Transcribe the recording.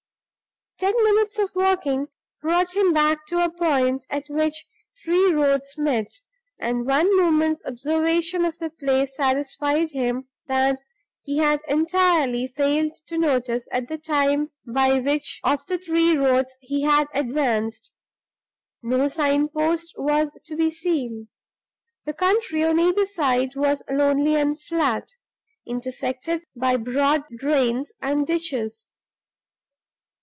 Ten minutes of walking brought him back to a point at which three roads met, and one moment's observation of the place satisfied him that he had entirely failed to notice at the time by which of the three roads he had advanced. No sign post was to be seen; the country on either side was lonely and flat, intersected by broad drains and ditches.